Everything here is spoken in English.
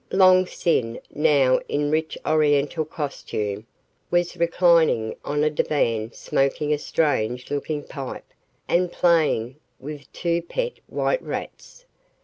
Long Sin, now in rich Oriental costume, was reclining on a divan smoking a strange looking pipe and playing with two pet white rats.